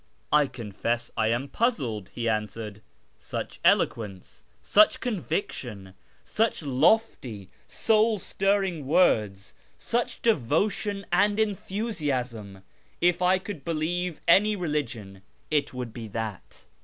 ..."" I confess I am puzzled," he answered. " Such eloquence, such conviction, such lofty, soul stirring words, such devotion and enthusiasm ! If I could believe any religion it would be that."